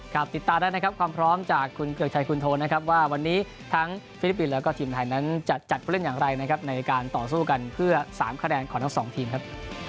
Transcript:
ติดตามได้นะครับความพร้อมจากคุณเกือกชัยคุณโทนะครับว่าวันนี้ทั้งฟิลิปปินส์แล้วก็ทีมไทยนั้นจะจัดผู้เล่นอย่างไรนะครับในการต่อสู้กันเพื่อ๓คะแนนของทั้งสองทีมครับ